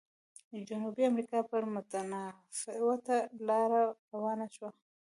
جنوبي امریکا پر متفاوته لار روانه شوه.